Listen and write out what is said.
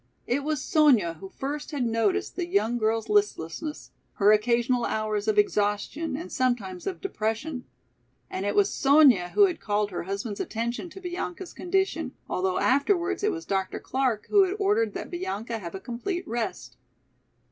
It was Sonya who first had noticed the young girl's listlessness, her occasional hours of exhaustion and sometimes of depression. And it was Sonya who had called her husband's attention to Bianca's condition, although afterwards it was Dr. Clark who had ordered that Bianca have a complete rest.